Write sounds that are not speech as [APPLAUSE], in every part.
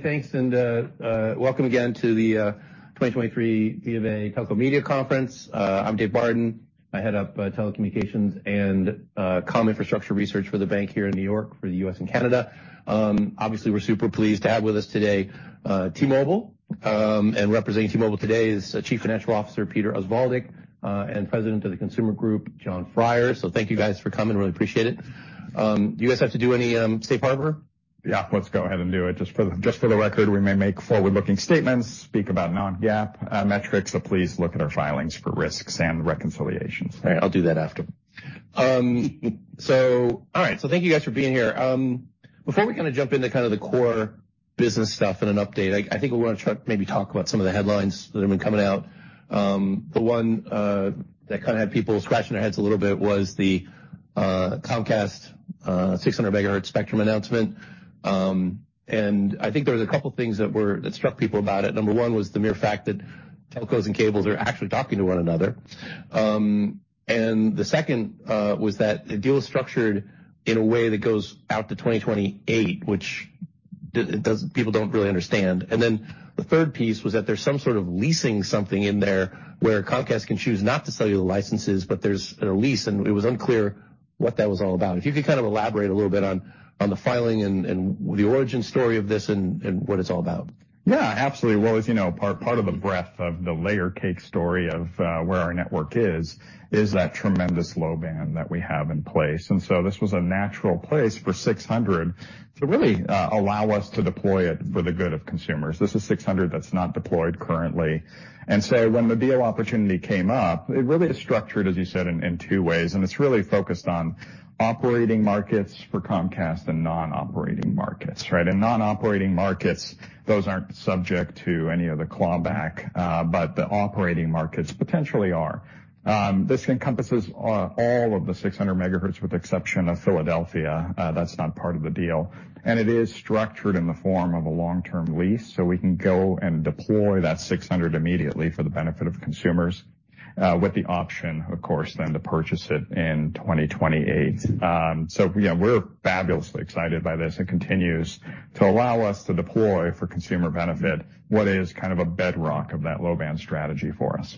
Thanks, and welcome again to the 2023 BofA Telco Media Conference. I'm Dave Barden. I head up telecommunications and comm infrastructure research for the bank here in New York for the U.S. and Canada. Obviously, we're super pleased to have with us today T-Mobile, and representing T-Mobile today is Chief Financial Officer Peter Osvaldik, and President of the Consumer Group, Jon Freier. So thank you guys for coming. Really appreciate it. Do you guys have to do any safe harbor? Yeah, let's go ahead and do it. Just for the, just for the record, we may make forward-looking statements, speak about non-GAAP metrics, so please look at our filings for risks and reconciliations. All right, I'll do that after. So all right, so thank you guys for being here. Before we kind of jump into kind of the core business stuff and an update, I think I want to try to maybe talk about some of the headlines that have been coming out. The one that kind of had people scratching their heads a little bit was the Comcast 600 MHz spectrum announcement. And I think there was a couple things that struck people about it. Number one was the mere fact that telcos and cables are actually talking to one another. And the second was that the deal is structured in a way that goes out to 2028, which does. People don't really understand. And then, the third piece was that there's some sort of leasing something in there, where Comcast can choose not to sell you the licenses, but there's a lease, and it was unclear what that was all about. If you could kind of elaborate a little bit on the filing and the origin story of this and what it's all about. Yeah, absolutely. Well, as you know, part of the breadth of the layer cake story of where our network is, is that tremendous low band that we have in place. And so this was a natural place for 600 to really allow us to deploy it for the good of consumers. This is 600 that's not deployed currently. And so when the deal opportunity came up, it really is structured, as you said, in two ways, and it's really focused on operating markets for Comcast and non-operating markets, right? And non-operating markets, those aren't subject to any of the clawback, but the operating markets potentially are. This encompasses all of the 600 MHz, with the exception of Philadelphia. That's not part of the deal. It is structured in the form of a long-term lease, so we can go and deploy that 600 immediately for the benefit of consumers, with the option, of course, then to purchase it in 2028. So yeah, we're fabulously excited by this. It continues to allow us to deploy, for consumer benefit, what is kind of a bedrock of that low-band strategy for us.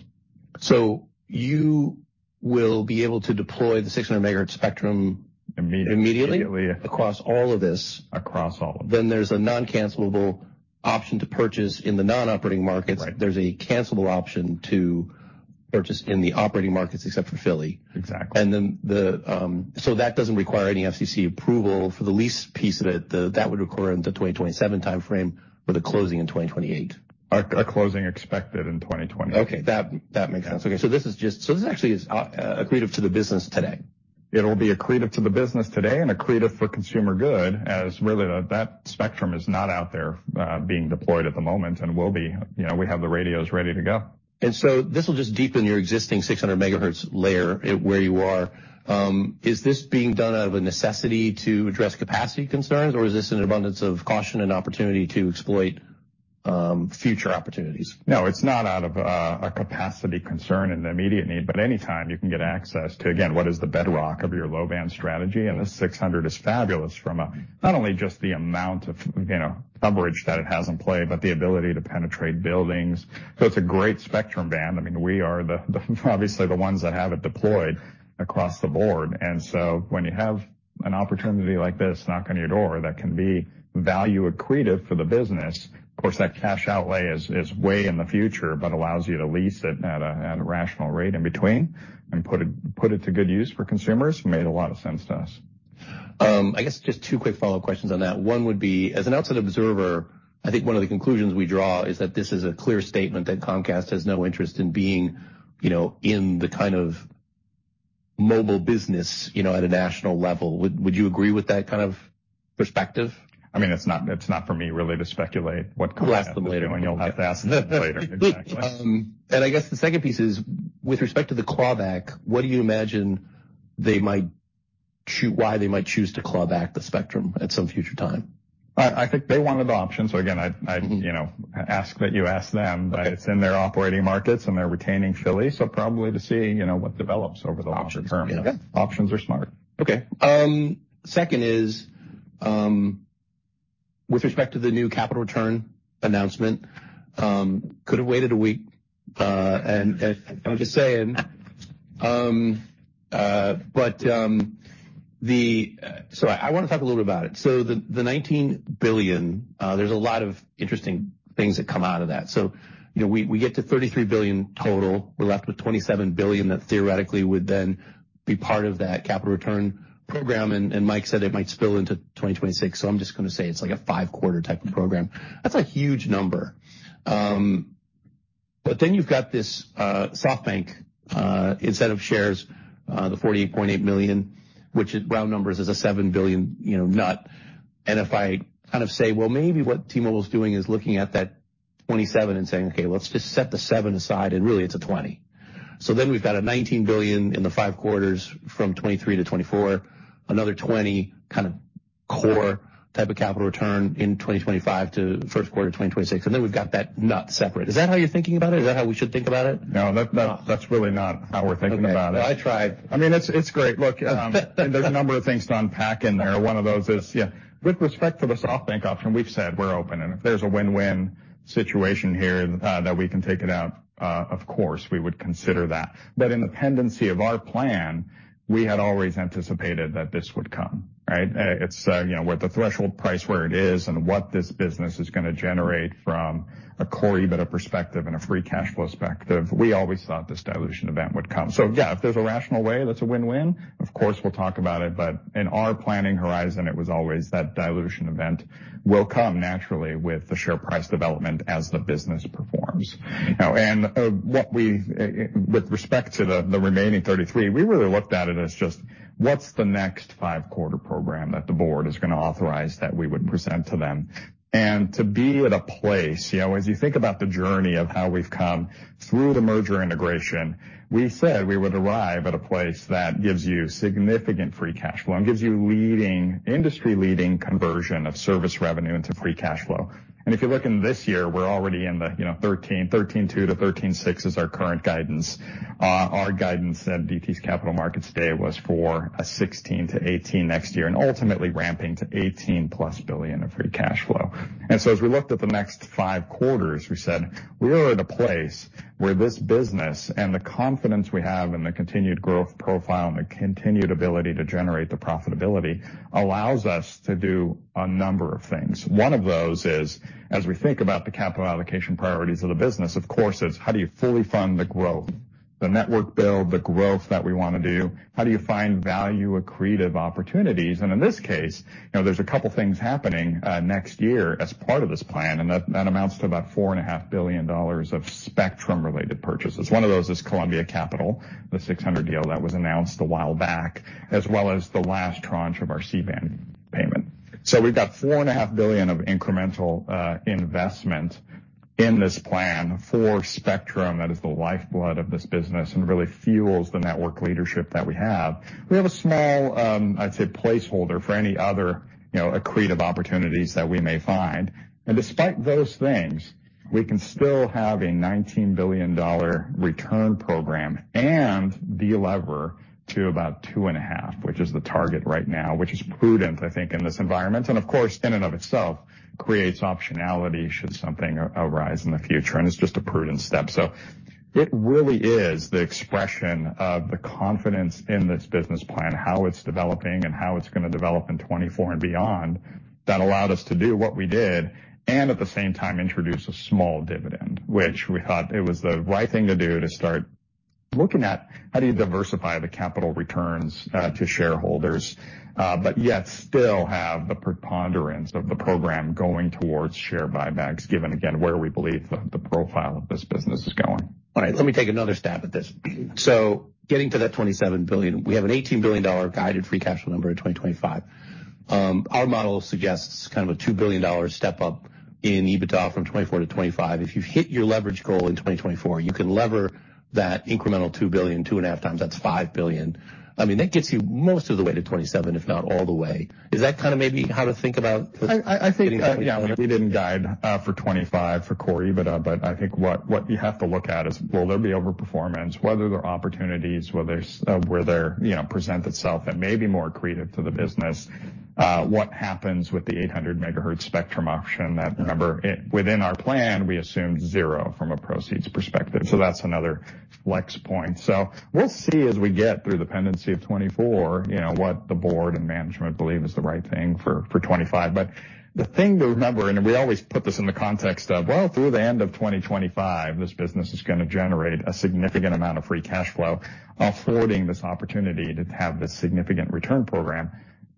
You will be able to deploy the 600 MHz spectrum- Immediately. Immediately across all of this? Across all of it. There's a noncancelable option to purchase in the non-operating markets. Right. There's a cancellable option to purchase in the operating markets, except for Philly. Exactly. So that doesn't require any FCC approval for the lease piece of it. That would occur in the 2027 timeframe, with a closing in 2028. A closing expected in 2028. Okay, that makes sense. Okay, so this actually is accretive to the business today? It'll be accretive to the business today and accretive for consumer good, as really that, that spectrum is not out there, being deployed at the moment and will be. You know, we have the radios ready to go. So this will just deepen your existing 600 MHz layer where you are. Is this being done out of a necessity to address capacity concerns, or is this an abundance of caution and opportunity to exploit future opportunities? No, it's not out of a capacity concern and an immediate need, but any time you can get access to, again, what is the bedrock of your low-band strategy, and the 600 is fabulous from a, not only just the amount of, you know, coverage that it has in play, but the ability to penetrate buildings. So it's a great spectrum band. I mean, we are the, the obviously, the ones that have it deployed across the board. And so when you have an opportunity like this knocking on your door, that can be value accretive for the business, of course, that cash outlay is, is way in the future, but allows you to lease it at a, at a rational rate in between and put it, put it to good use for consumers. Made a lot of sense to us. I guess just two quick follow-up questions on that. One would be, as an outside observer, I think one of the conclusions we draw is that this is a clear statement that Comcast has no interest in being, you know, in the kind of mobile business, you know, at a national level. Would you agree with that kind of perspective? I mean, it's not, it's not for me, really, to speculate what Comcast- We'll ask them later. You'll have to ask them later. I guess the second piece is: with respect to the clawback, what do you imagine they might? Why they might choose to claw back the spectrum at some future time? I think they wanted the option. So again, I'd you know, ask that you ask them, but it's in their operating markets, and they're retaining Philly, so probably to see, you know, what develops over the long term. Okay. Options are smart. Okay. Second is, with respect to the new capital return announcement, could have waited a week, and I'm just saying. But so I want to talk a little about it. So the $19 billion, there's a lot of interesting things that come out of that. So, you know, we get to $33 billion total. We're left with $27 billion that theoretically would then be part of that Capital Return Program, and Mike said it might spill into 2026, so I'm just going to say it's like a five-quarter type of program. That's a huge number. But then you've got this SoftBank instead of shares, the 48.8 million, which in round numbers is a $7 billion, you know, nut. If I kind of say: Well, maybe what T-Mobile's doing is looking at that 27 and saying, "Okay, well, let's just set the seven aside, and really, it's a 20." So then we've got $19 billion in the five quarters from 2023 to 2024, another $20 billion kind of core type of capital return in 2025 to first quarter 2026, and then we've got that nut separate. Is that how you're thinking about it? Is that how we should think about it? No, that's really not how we're thinking about it. Okay. Well, I tried. I mean, it's great. Look, there's a number of things to unpack in there. One of those is, yeah, with respect to the SoftBank option, we've said we're open, and if there's a win-win situation here, that we can take it out, of course, we would consider that. But in the pendency of our plan, we had always anticipated that this would come, right? It's, you know, with the threshold price where it is and what this business is going to generate from a core EBITDA perspective and a free cash flow perspective, we always thought this dilution event would come. So yeah, if there's a rational way, that's a win-win, of course, we'll talk about it, but in our planning horizon, it was always that dilution event will come naturally with the share price development as the business performs. Now, with respect to the remaining 33, we really looked at it as just what's the next five-quarter program that the board is going to authorize that we would present to them? And to be at a place, you know, as you think about the journey of how we've come through the merger integration, we said we would arrive at a place that gives you significant free cash flow and gives you leading, industry-leading conversion of service revenue into free cash flow. And if you look in this year, we're already in the, you know, 13, 13.2-13.6 is our current guidance. Our guidance at DT's Capital Markets Day was for 16-18 next year, and ultimately ramping to $18+ billion of free cash flow. And so as we looked at the next five quarters, we said we are at a place where this business and the confidence we have in the continued growth profile and the continued ability to generate the profitability allows us to do a number of things. One of those is, as we think about the capital allocation priorities of the business, of course, it's how do you fully fund the growth? The network build, the growth that we want to do. How do you find value accretive opportunities? And in this case, you know, there's a couple things happening next year as part of this plan, and that, that amounts to about $4.5 billion of spectrum-related purchases. One of those is Columbia Capital, the 600 deal that was announced a while back, as well as the last tranche of our C-band payment. So we've got $4.5 billion of incremental investment in this plan for spectrum. That is the lifeblood of this business and really fuels the network leadership that we have. We have a small, I'd say, placeholder for any other, you know, accretive opportunities that we may find. And despite those things, we can still have a $19 billion return program and delever to about 2.5, which is the target right now, which is prudent, I think, in this environment. And of course, in and of itself, creates optionality should something arise in the future, and it's just a prudent step. So it really is the expression of the confidence in this business plan, how it's developing and how it's going to develop in 2024 and beyond, that allowed us to do what we did, and at the same time introduce a small dividend, which we thought it was the right thing to do to start looking at how do you diversify the capital returns to shareholders, but yet still have the preponderance of the program going towards share buybacks, given again, where we believe the profile of this business is going. All right, let me take another stab at this. So getting to that $27 billion, we have an $18 billion guided free cash flow number in 2025. Our model suggests kind of a $2 billion step up in EBITDA from 2024 to 2025. If you've hit your leverage goal in 2024, you can lever that incremental $2 billion, 2.5 times. That's $5 billion. I mean, that gets you most of the way to $27 billion, if not all the way. Is that kind of maybe how to think about this? I think, yeah, we didn't guide for 25 for Corey, but I think what you have to look at is, will there be overperformance, whether there are opportunities, whether where they're, you know, present itself that may be more accretive to the business. What happens with the 800 MHz spectrum option? That number. Within our plan, we assume zero from a proceeds perspective. So that's another flex point. So we'll see as we get through the pendency of 2024, you know, what the board and management believe is the right thing for 2025. But the thing to remember, and we always put this in the context of, well, through the end of 2025, this business is going to generate a significant amount of free cash flow, affording this opportunity to have this significant return program.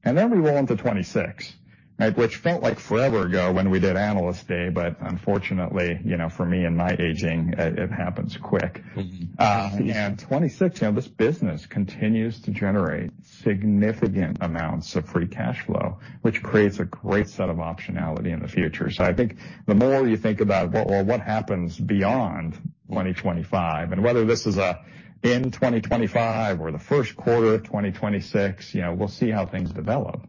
And then we roll into 26, right? Which felt like forever ago when we did Analyst Day, but unfortunately, you know, for me and my aging, it, it happens quick. And 26, you know, this business continues to generate significant amounts of free cash flow, which creates a great set of optionality in the future. So I think the more you think about well, what happens beyond 2025, and whether this is a in 2025 or the first quarter of 2026, you know, we'll see how things develop,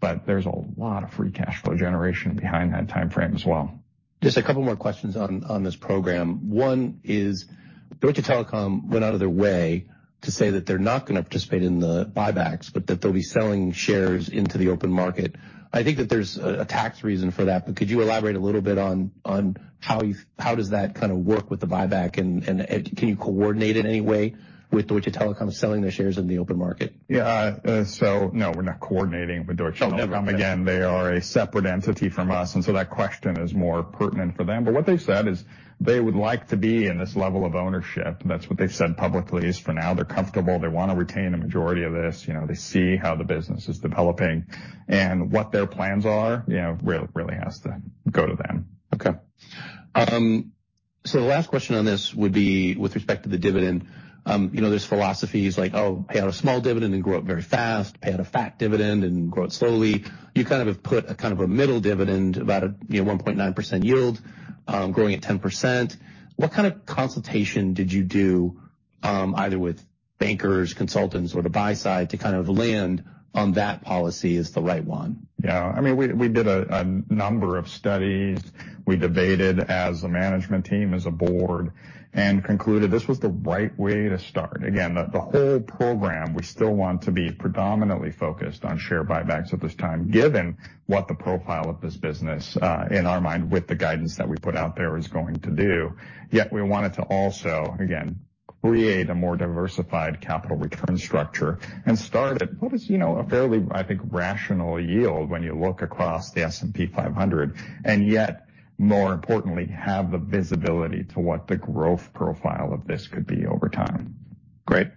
but there's a lot of free cash flow generation behind that timeframe as well. Just a couple more questions on this program. One is, Deutsche Telekom went out of their way to say that they're not going to participate in the buybacks, but that they'll be selling shares into the open market. I think that there's a tax reason for that, but could you elaborate a little bit on how does that kind of work with the buyback, and can you coordinate in any way with Deutsche Telekom selling their shares in the open market? Yeah. So, no, we're not coordinating with Deutsche Telekom. Oh, never mind. Again, they are a separate entity from us, and so that question is more pertinent for them. But what they've said is they would like to be in this level of ownership. That's what they've said publicly, is for now, they're comfortable. They want to retain a majority of this. You know, they see how the business is developing and what their plans are, you know, really, really has to go to them. Okay. So the last question on this would be with respect to the dividend. You know, there's philosophies like, oh, pay out a small dividend and grow up very fast, pay out a fat dividend and grow it slowly. You kind of have put a kind of a middle dividend, about a, you know, 1.9% yield, growing at 10%. What kind of consultation did you do either with bankers, consultants, or the buy side to kind of land on that policy is the right one? Yeah. I mean, we did a number of studies. We debated as a management team, as a board, and concluded this was the right way to start. Again, the whole program, we still want to be predominantly focused on share buybacks at this time, given what the profile of this business, in our mind, with the guidance that we put out there, is going to do. Yet we wanted to also, again, create a more diversified capital return structure and start at what is, you know, a fairly, I think, rational yield when you look across the S&P 500, and yet, more importantly, have the visibility to what the growth profile of this could be over time. Great.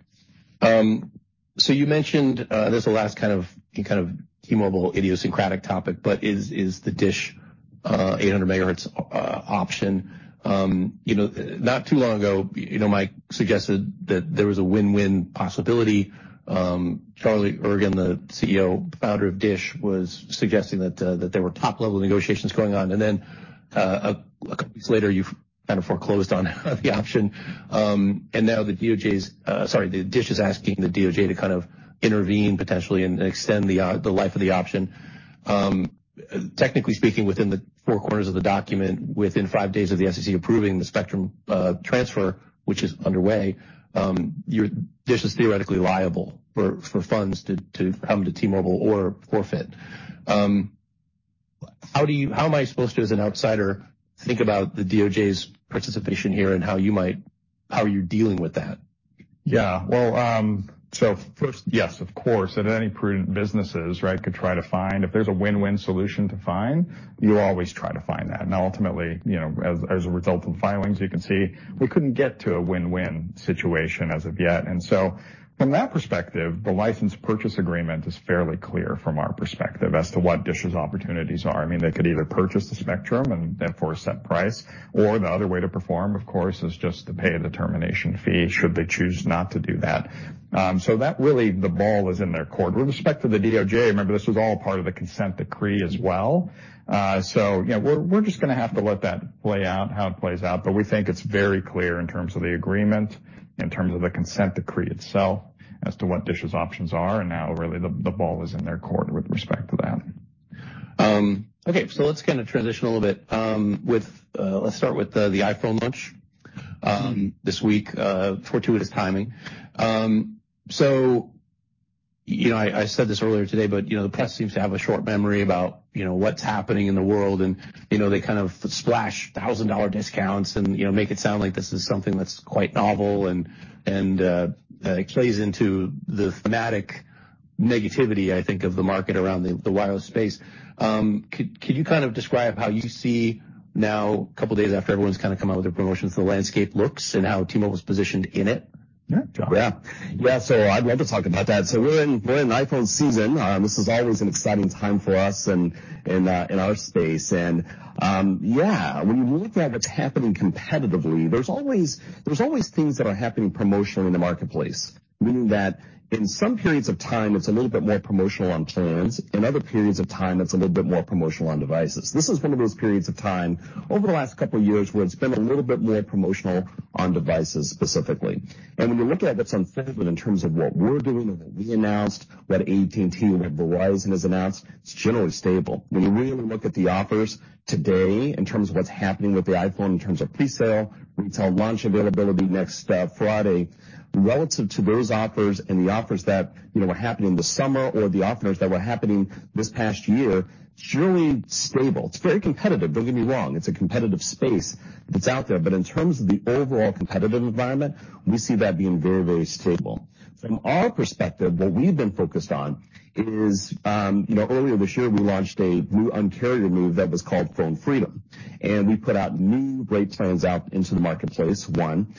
So you mentioned, this is the last kind of T-Mobile idiosyncratic topic, but is the DISH 800 MHz option? You know, not too long ago, you know, Mike suggested that there was a win-win possibility. Charlie Ergen, the CEO, founder of DISH, was suggesting that that there were top-level negotiations going on. And then, a couple weeks later, you kind of foreclosed on the option. And now the DOJ's, sorry, the DISH is asking the DOJ to kind of intervene potentially and extend the life of the option. Technically speaking, within the four corners of the document, within five days of the SEC approving the spectrum transfer, which is underway, DISH is theoretically liable for funds to come to T-Mobile or forfeit. How am I supposed to, as an outsider, think about the DOJ's participation here and how are you dealing with that? Yeah. Well, so first, yes, of course, that any prudent businesses, right, could try to find... If there's a win-win solution to find, you always try to find that. And ultimately, you know, as a result of the filings, you can see we couldn't get to a win-win situation as of yet. And so from that perspective, the license purchase agreement is fairly clear from our perspective as to what DISH's opportunities are. I mean, they could either purchase the spectrum and at 4% price, or the other way to perform, of course, is just to pay the termination fee, should they choose not to do that. So that really, the ball is in their court. With respect to the DOJ, remember, this was all part of the consent decree as well. So, you know, we're just gonna have to let that play out, how it plays out, but we think it's very clear in terms of the agreement, in terms of the consent decree itself, as to what DISH's options are, and now, really, the ball is in their court with respect to that. Okay, so let's kind of transition a little bit. With, let's start with the iPhone launch this week, fortuitous timing. So, you know, I said this earlier today, but, you know, the press seems to have a short memory about, you know, what's happening in the world. You know, they kind of splash $1,000 discounts and, you know, make it sound like this is something that's quite novel and it plays into the thematic negativity, I think, of the market around the wireless space. Could you kind of describe how you see now, a couple days after everyone's kind of come out with their promotions, the landscape looks and how T-Mobile is positioned in it? Yeah, Jon. Yeah. Yeah, so I'd love to talk about that. So we're in iPhone season. This is always an exciting time for us and in our space. And yeah, when you look at what's happening competitively, there's always things that are happening promotionally in the marketplace, meaning that in some periods of time, it's a little bit more promotional on plans. In other periods of time, it's a little bit more promotional on devices. This is one of those periods of time over the last couple of years where it's been a little bit more promotional on devices, specifically. And when you look at it on fulfillment in terms of what we're doing and what we announced, what AT&T and Verizon has announced, it's generally stable. When you really look at the offers today, in terms of what's happening with the iPhone, in terms of presale, retail launch availability next Friday, relative to those offers and the offers that, you know, were happening in the summer or the offers that were happening this past year, it's generally stable. It's very competitive. Don't get me wrong, it's a competitive space that's out there. But in terms of the overall competitive environment, we see that being very, very stable. From our perspective, what we've been focused on is, you know, earlier this year, we launched a new Un-carrier move that was called Phone Freedom, and we put out new great plans out into the marketplace, one.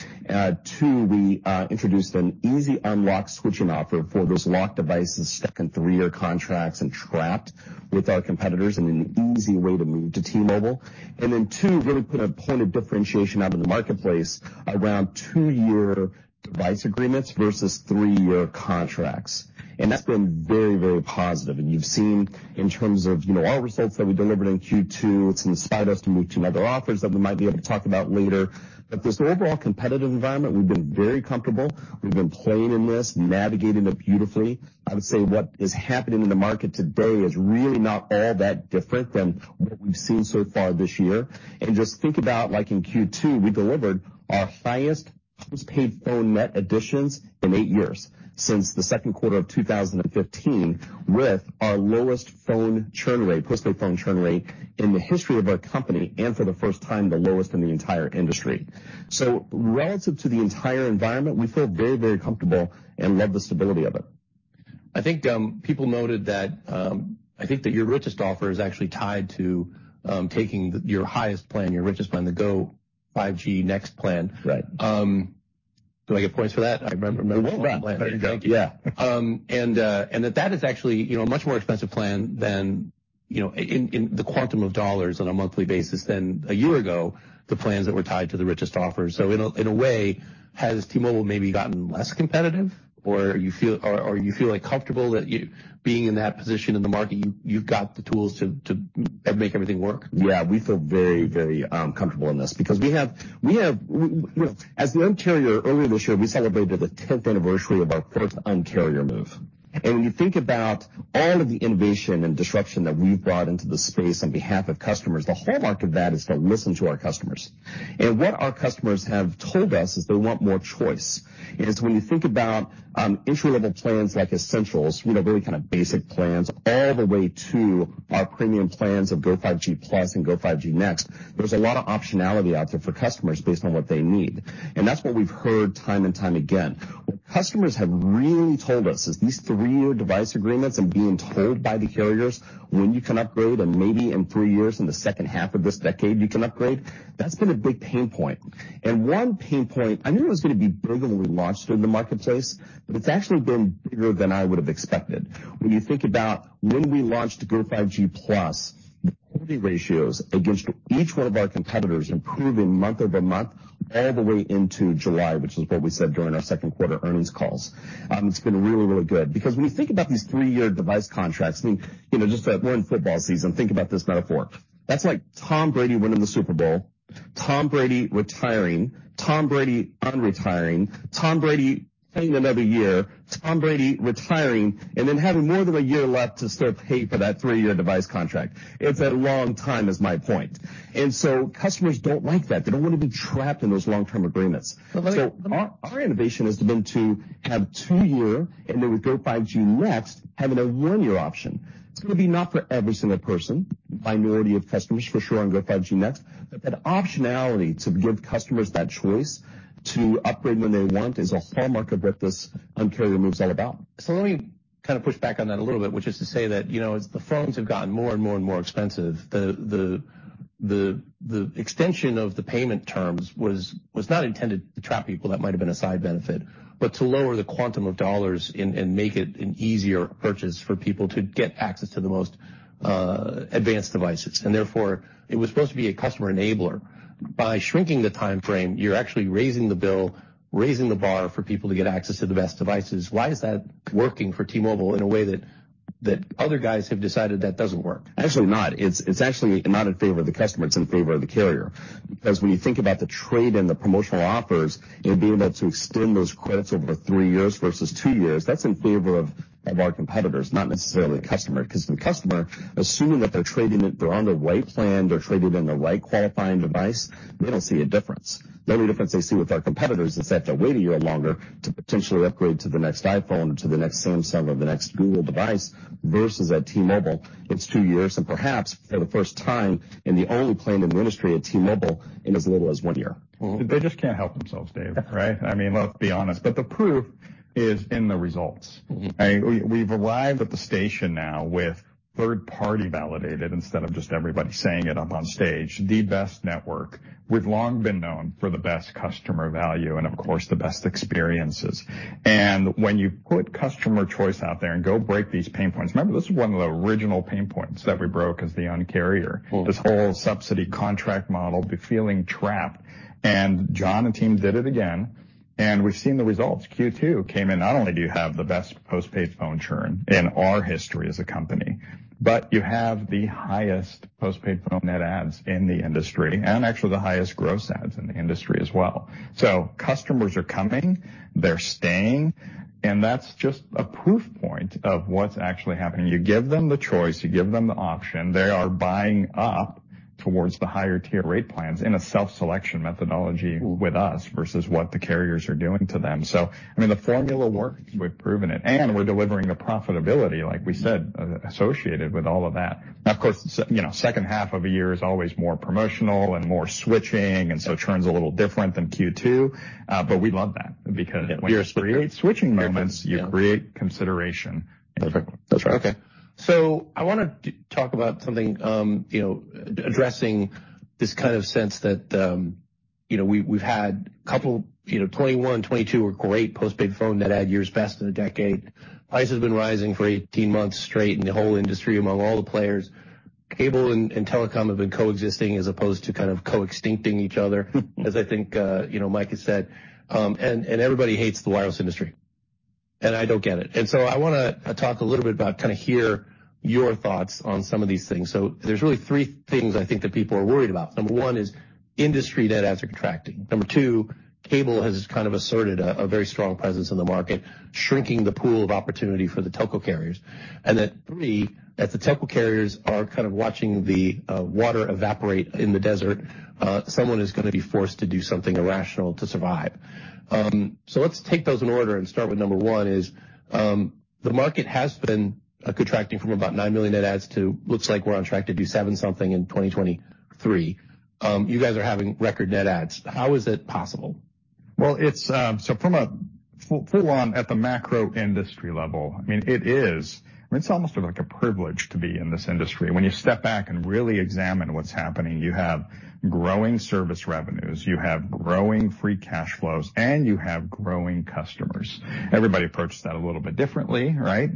Two, we introduced an Easy Unlock switching offer for those locked devices, stuck in three-year contracts and trapped with our competitors, and an easy way to move to T-Mobile. And then, two, really put a point of differentiation out in the marketplace around two-year device agreements versus three-year contracts. And that's been very, very positive. And you've seen in terms of, you know, our results that we delivered in Q2, it's inspired us to move to other offers that we might be able to talk about later. But this overall competitive environment, we've been very comfortable. We've been playing in this, navigating it beautifully. I would say what is happening in the market today is really not all that different than what we've seen so far this year. Just think about, like in Q2, we delivered our highest postpaid phone net additions in eight years, since the second quarter of 2015, with our lowest phone churn rate, postpaid phone churn rate, in the history of our company, and for the first time, the lowest in the entire industry. So relative to the entire environment, we feel very, very comfortable and love the stability of it. I think, people noted that, I think that your richest offer is actually tied to taking your highest plan, your richest plan, the Go5G Next plan. Right. Do I get points for that? I remember very well- Thank you. Yeah. And that is actually, you know, a much more expensive plan than, you know, in the quantum of dollars on a monthly basis than a year ago, the plans that were tied to the richest offers. So in a way, has T-Mobile maybe gotten less competitive, or you feel... or you feel, like, comfortable that you being in that position in the market, you've got the tools to make everything work? Yeah, we feel very, very comfortable in this because we have, as the, [INAUDIBLE] earlier this year, we celebrated the tenth anniversary of our first Un-carrier move, and when you think about all of the innovation and disruption that we've brought into the space on behalf of customers, the hallmark of that is to listen to our customers. And what our customers have told us is they want more choice. And so when you think about entry-level plans, like Essentials, you know, very kind of basic plans, all the way to our premium plans of Go5G Plus and Go5G Next, there's a lot of optionality out there for customers based on what they need. And that's what we've heard time and time again. What customers have really told us is these three-year device agreements and being told by the carriers when you can upgrade, and maybe in three years, in the second half of this decade, you can upgrade, that's been a big pain point. One pain point, I knew it was gonna be big when we launched in the marketplace, but it's actually been bigger than I would have expected. When you think about when we launched Go5G Plus, the ratios against each one of our competitors improving month-over-month, all the way into July, which is what we said during our second quarter earnings calls. It's been really, really good. Because when you think about these three-year device contracts, I mean, you know, just we're in football season, think about this metaphor. That's like Tom Brady winning the Super Bowl, Tom Brady retiring, Tom Brady unretiring, Tom Brady playing another year, Tom Brady retiring, and then, having more than a year left to still pay for that three-year device contract. It's a long time, is my point. And so customers don't like that. They don't want to be trapped in those long-term agreements. So our innovation has been to have two-year, and then, with Go5G Next, having a one-year option. It's gonna be not for every single person, a minority of customers, for sure, on Go5G Next. But that optionality to give customers that choice to upgrade when they want is a hallmark of what this Un-carrier move is all about. So let me kind of push back on that a little bit, which is to say that, you know, as the phones have gotten more and more and more expensive, the extension of the payment terms was not intended to trap people, that might have been a side benefit, but to lower the quantum of dollars and make it an easier purchase for people to get access to the most advanced devices. And therefore, it was supposed to be a customer enabler. By shrinking the time frame, you're actually raising the bill, raising the bar for people to get access to the best devices. Why is that working for T-Mobile in a way that other guys have decided that doesn't work? Actually not. It's, it's actually not in favor of the customer, it's in favor of the carrier. Because when you think about the trade and the promotional offers, and being able to extend those credits over three years versus two years, that's in favor of, of our competitors, not necessarily the customer. Because the customer, assuming that they're trading it, they're on the right plan, they're traded in the right qualifying device, they don't see a difference. The only difference they see with our competitors is they have to wait a year longer to potentially upgrade to the next iPhone or to the next Samsung or the next Google device, versus at T-Mobile, it's two years, and perhaps, for the first time, in the only plan in the industry at T-Mobile, in as little as one year. They just can't help themselves, Dave, right? I mean, let's be honest. But the proof is in the results. Mm-hmm. We've arrived at the station now with third-party validated, instead of just everybody saying it up on stage, the best network. We've long been known for the best customer value and, of course, the best experiences. When you put customer choice out there and go break these pain points... Remember, this is one of the original pain points that we broke as the Un-carrier. Mm. This whole subsidy contract model, the feeling trapped. And Jon and team did it again, and we've seen the results. Q2 came in, not only do you have the best postpaid phone churn in our history as a company, but you have the highest postpaid phone net adds in the industry, and actually, the highest gross adds in the industry as well. So customers are coming, they're staying, and that's just a proof point of what's actually happening. You give them the choice, you give them the option, they are buying up towards the higher tier rate plans in a self-selection methodology with us, versus what the carriers are doing to them. So, I mean, the formula works. We've proven it, and we're delivering the profitability, like we said, associated with all of that. Of course, you know, second half of a year is always more promotional and more switching, and so churn's a little different than Q2. But we love that, because when you create switching moments, you create consideration. Perfect. That's right. Okay. So I want to talk about something, you know, addressing this kind of sense that, you know, we, we've had couple, you know, 2021, 2022 were great postpaid phone net add years, best in a decade. Prices have been rising for 18 months straight, and the whole industry, among all the players, cable and, and telecom have been coexisting as opposed to kind of co-extincting each other, as I think, you know, Mike has said. And everybody hates the wireless industry, and I don't get it. So I wanna talk a little bit about, kind of hear your thoughts on some of these things. So there's really three things I think that people are worried about. Number 1 is industry net adds are contracting. Number two, cable has kind of asserted a very strong presence in the market, shrinking the pool of opportunity for the telco carriers. And then three, as the telco carriers are kind of watching the water evaporate in the desert, someone is gonna be forced to do something irrational to survive. So let's take those in order and start with number one is, the market has been contracting from about 9 million net adds to, looks like we're on track to do 7 something in 2023. You guys are having record net adds. How is it possible? Well, it's. So from a full, full on at the macro industry level, I mean, it is, it's almost like a privilege to be in this industry. When you step back and really examine what's happening, you have growing service revenues, you have growing free cash flows, and you have growing customers. Everybody approaches that a little bit differently, right?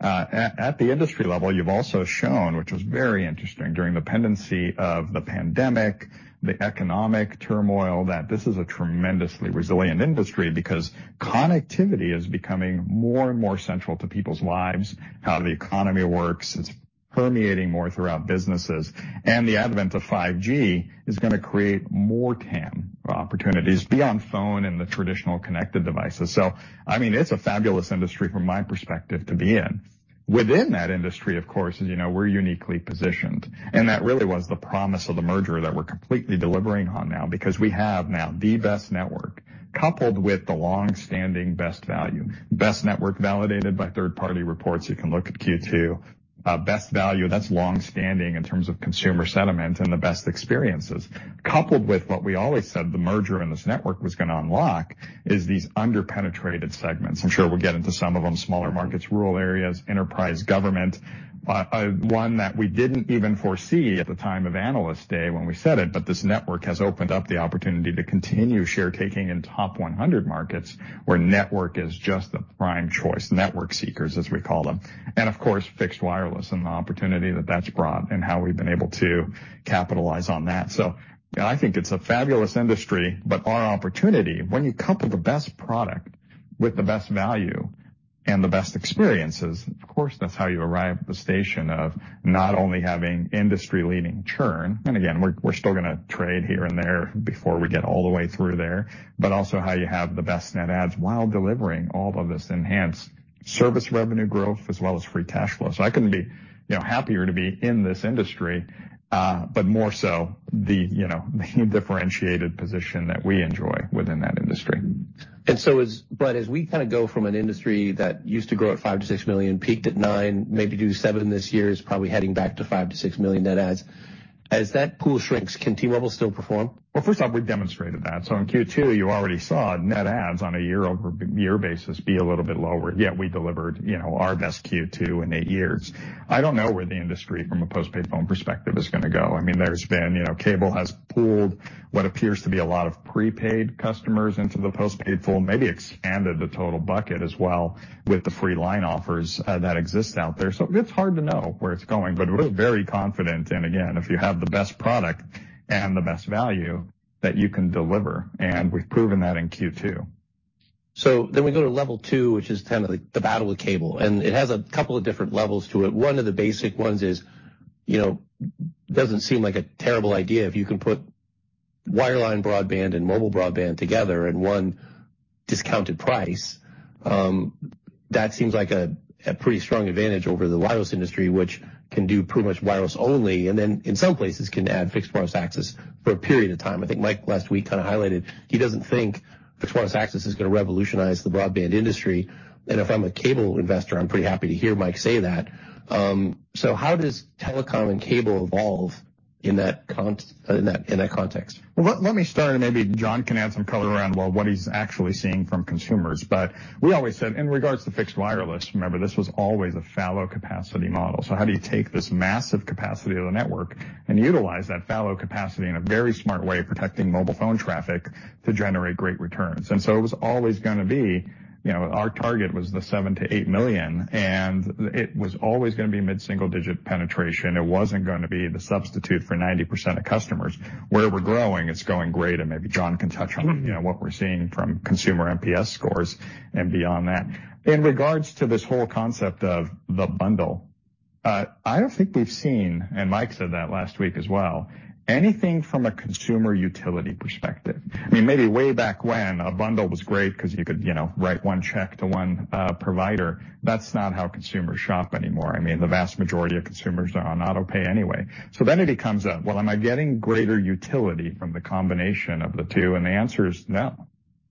But at the industry level, you've also shown, which was very interesting during the pendency of the pandemic, the economic turmoil, that this is a tremendously resilient industry because connectivity is becoming more and more central to people's lives, how the economy works, it's permeating more throughout businesses, and the advent of 5G is going to create more TAM opportunities beyond phone and the traditional connected devices. So, I mean, it's a fabulous industry from my perspective to be in. Within that industry, of course, as you know, we're uniquely positioned, and that really was the promise of the merger that we're completely delivering on now, because we have now the best network, coupled with the longstanding best value. Best network validated by third-party reports. You can look at Q2. Best value, that's longstanding in terms of consumer sentiment and the best experiences. Coupled with what we always said the merger and this network was going to unlock, is these under-penetrated segments. I'm sure we'll get into some of them, smaller markets, rural areas, enterprise, government. One that we didn't even foresee at the time of Analyst Day when we said it, but this network has opened up the opportunity to continue share taking in top 100 markets, where network is just the prime choice. Network seekers, as we call them. And, of course, fixed wireless and the opportunity that that's brought and how we've been able to capitalize on that. So I think it's a fabulous industry, but our opportunity, when you couple the best product with the best value and the best experiences, of course, that's how you arrive at the situation of not only having industry-leading churn, and again, we're still going to trade here and there before we get all the way through there, but also how you have the best net adds while delivering all of this enhanced service revenue growth, as well as free cash flow. So I couldn't be, you know, happier to be in this industry, but more so the, you know, the differentiated position that we enjoy within that industry. But as we kind of go from an industry that used to grow at 5-6 million, peaked at nine, maybe do seven this year, is probably heading back to 5-6 million net adds. As that pool shrinks, can T-Mobile still perform? Well, first off, we've demonstrated that. So in Q2, you already saw net adds on a year-over-year basis be a little bit lower, yet we delivered, you know, our best Q2 in eight years. I don't know where the industry, from a postpaid phone perspective, is going to go. I mean, there's been... You know, cable has pulled what appears to be a lot of prepaid customers into the postpaid pool, maybe expanded the total bucket as well, with the free line offers that exist out there. So it's hard to know where it's going, but we're very confident. And again, if you have the best product and the best value that you can deliver, and we've proven that in Q2. So then we go to level two, which is kind of the battle with cable, and it has a couple of different levels to it. One of the basic ones is, you know, doesn't seem like a terrible idea if you can put wireline broadband and mobile broadband together in one discounted price. That seems like a pretty strong advantage over the wireless industry, which can do pretty much wireless only, and then in some places, can add fixed wireless access for a period of time. I think Mike, last week, kind of highlighted, he doesn't think fixed wireless access is going to revolutionize the broadband industry, and if I'm a cable investor, I'm pretty happy to hear Mike say that. So how does telecom and cable evolve in that context? Well, let me start, and maybe Jon can add some color around, well, what he's actually seeing from consumers. But we always said, in regards to fixed wireless, remember, this was always a fallow capacity model. So how do you take this massive capacity of the network and utilize that fallow capacity in a very smart way of protecting mobile phone traffic to generate great returns? And so it was always going to be, you know, our target was the 7-8 million, and it was always going to be mid-single digit penetration. It wasn't going to be the substitute for 90% of customers. Where we're growing, it's going great, and maybe Jon can touch on, you know, what we're seeing from consumer NPS scores and beyond that. In regards to this whole concept of the bundle, I don't think we've seen, and Mike said that last week as well, anything from a consumer utility perspective. I mean, maybe way back when, a bundle was great, because you could, you know, write one check to one, provider. That's not how consumers shop anymore. I mean, the vast majority of consumers are on autopay anyway. So then it becomes a, "Well, am I getting greater utility from the combination of the two?" And the answer is no,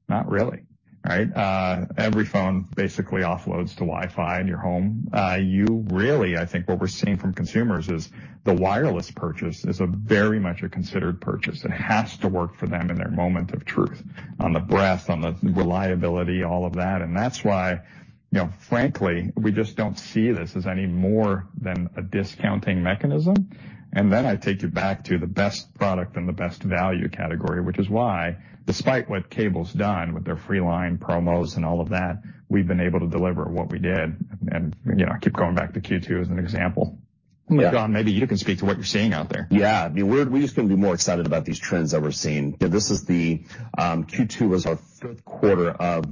not really, right? Every phone basically offloads to Wi-Fi in your home. You really, I think what we're seeing from consumers is the wireless purchase is a very much a considered purchase. It has to work for them in their moment of truth, on the breadth, on the reliability, all of that. And that's why, you know, frankly, we just don't see this as any more than a discounting mechanism. And then I take you back to the best product and the best value category, which is why, despite what cable's done with their free line promos and all of that, we've been able to deliver what we did, and, you know, I keep going back to Q2 as an example. Yeah. Jon, maybe you can speak to what you're seeing out there. Yeah. I mean, we're we just couldn't be more excited about these trends that we're seeing. This is the Q2 was our fifth quarter of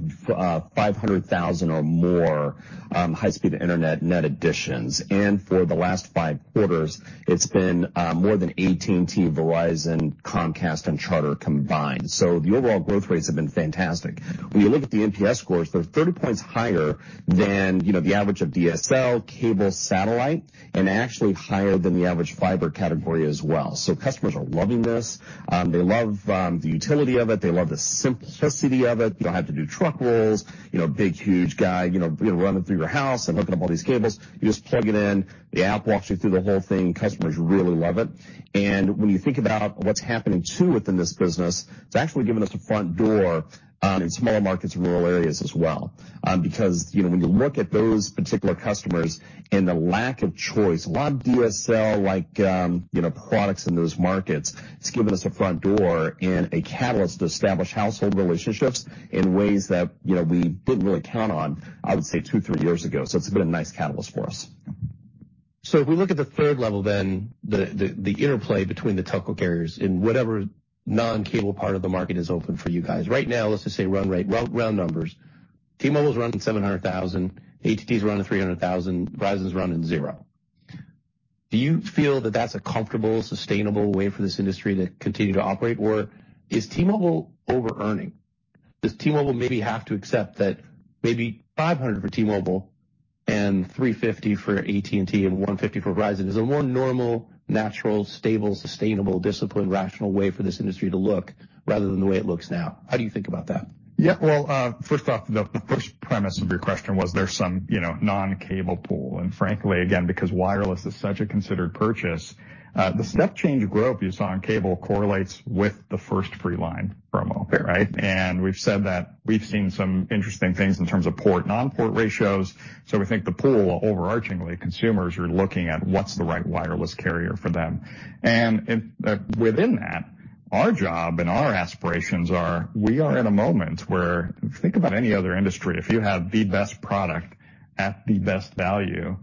500,000 or more high-speed internet net additions. And for the last five quarters, it's been more than AT&T, Verizon, Comcast, and Charter combined. So the overall growth rates have been fantastic. When you look at the NPS scores, they're 30 points higher than, you know, the average of DSL, cable, satellite, and actually higher than the average fiber category as well. So customers are loving this. They love the utility of it. They love the simplicity of it. You don't have to do truck rolls, you know, big, huge guy, you know, running through your house and hooking up all these cables. You just plug it in, the app walks you through the whole thing. Customers really love it. And when you think about what's happening, too, within this business, it's actually given us a front door, in smaller markets and rural areas as well. Because, you know, when you look at those particular customers and the lack of choice, a lot of DSL, like, you know, products in those markets, it's given us a front door and a catalyst to establish household relationships in ways that, you know, we didn't really count on, I would say, two, three years ago. So it's been a nice catalyst for us. So if we look at the third level, then, the interplay between the telecom carriers and whatever non-cable part of the market is open for you guys. Right now, let's just say run rate, round numbers.... T-Mobile's running 700,000, AT&T's running 300,000, Verizon's running 0. Do you feel that that's a comfortable, sustainable way for this industry to continue to operate? Or is T-Mobile overearning? Does T-Mobile maybe have to accept that maybe 500 for T-Mobile and 350 for AT&T and 150 for Verizon? Is a more normal, natural, stable, sustainable, disciplined, rational way for this industry to look rather than the way it looks now. How do you think about that? Yeah, well, first off, the first premise of your question was there's some, you know, non-cable pool, and frankly, again, because wireless is such a considered purchase, the step change of growth you saw in cable correlates with the first free line promo. Right. And we've said that we've seen some interesting things in terms of port, non-port ratios. So we think the pool, overarchingly, consumers are looking at what's the right wireless carrier for them. And within that, our job and our aspirations are, we are in a moment where... think about any other industry. If you have the best product at the best value,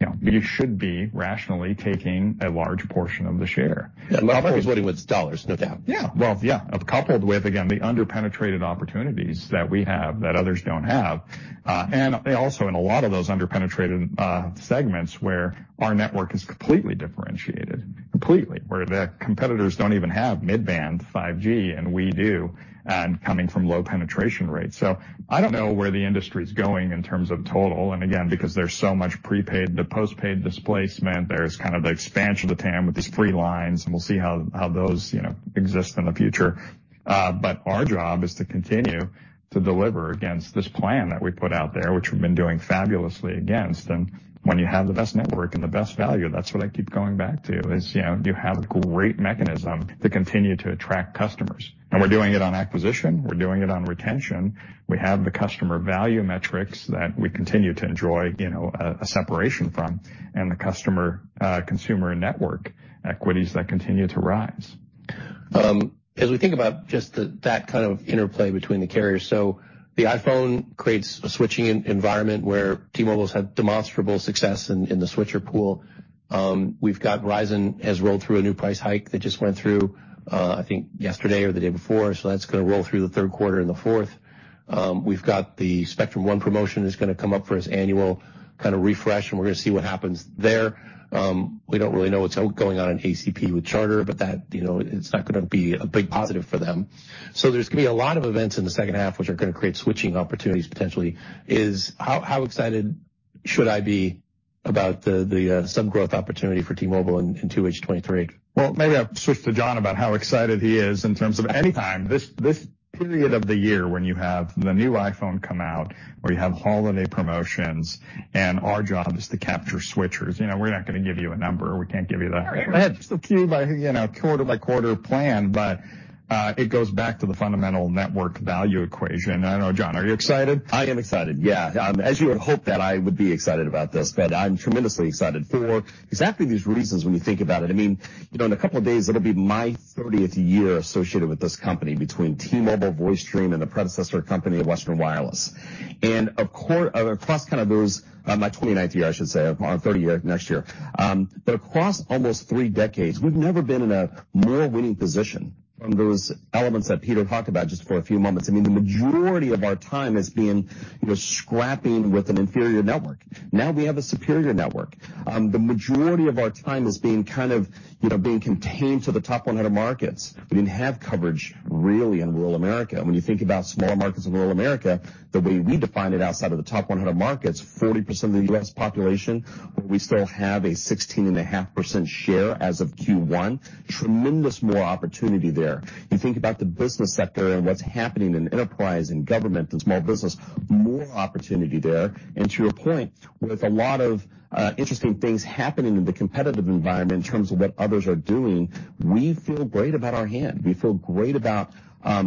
you know, you should be rationally taking a large portion of the share. Yeah. Everybody's working with dollars, no doubt. Yeah. Well, yeah. Coupled with, again, the under-penetrated opportunities that we have that others don't have. And also in a lot of those under-penetrated segments where our network is completely differentiated, completely, where the competitors don't even have mid-band 5G, and we do, and coming from low penetration rates. So I don't know where the industry is going in terms of total, and again, because there's so much prepaid to postpaid displacement, there's kind of the expansion of the TAM with these free lines, and we'll see how, how those, you know, exist in the future. But our job is to continue to deliver against this plan that we put out there, which we've been doing fabulously against. When you have the best network and the best value, that's what I keep going back to, is, you know, you have a great mechanism to continue to attract customers. And we're doing it on acquisition, we're doing it on retention. We have the customer value metrics that we continue to enjoy, you know, a separation from, and the customer, consumer network equities that continue to rise. As we think about just the, that kind of interplay between the carriers, so the iPhone creates a switching environment where T-Mobile's had demonstrable success in the switcher pool. We've got Verizon has rolled through a new price hike that just went through, I think yesterday or the day before. So that's going to roll through the third quarter and the fourth. We've got the Spectrum One promotion is going to come up for its annual kind of refresh, and we're going to see what happens there. We don't really know what's going on in ACP with Charter, but that, you know, it's not going to be a big positive for them. So there's going to be a lot of events in the second half, which are going to create switching opportunities, potentially. So how excited should I be about the some growth opportunity for T-Mobile in 2H 2023? Well, maybe I'll switch to Jon about how excited he is in terms of anytime. This period of the year, when you have the new iPhone come out, where you have holiday promotions, and our job is to capture switchers. You know, we're not going to give you a number. We can't give you that. All right. I have to Q by Q, you know, quarter-by-quarter plan, but it goes back to the fundamental network value equation. I don't know, Jon, are you excited? I am excited, yeah. As you would hope that I would be excited about this, but I'm tremendously excited for exactly these reasons when you think about it. I mean, you know, in a couple of days, it'll be my 30th year associated with this company between T-Mobile, VoiceStream, and the predecessor company, Western Wireless. And of course across kind of those my 29th year, I should say, on our 30th next year. But across almost 3 decades, we've never been in a more winning position from those elements that Peter talked about just for a few moments. I mean, the majority of our time has been, you know, scrapping with an inferior network. Now, we have a superior network. The majority of our time as being kind of, you know, being contained to the top 100 markets. We didn't have coverage, really, in rural America. When you think about small markets in rural America, the way we define it, outside of the top 100 markets, 40% of the U.S. population, we still have a 16.5% share as of Q1. Tremendous more opportunity there. You think about the business sector and what's happening in enterprise and government and small business, more opportunity there. And to your point, with a lot of interesting things happening in the competitive environment in terms of what others are doing, we feel great about our hand. We feel great about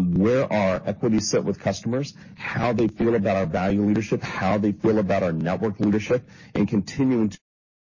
where our equities sit with customers, how they feel about our value leadership, how they feel about our network leadership, and continuing to-